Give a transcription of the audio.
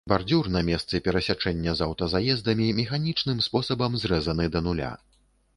Бардзюр на месцы перасячэння з аўтазаездамі механічным спосабам зрэзаны да нуля.